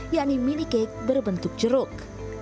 yakni mini cake berbentuk jeruk